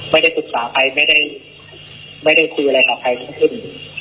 ไม่ได้ปรึกษาใครไม่ได้คุยอะไรกับใครทั้งสิ้น